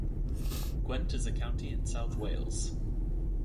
Gwent is a county in South Wales.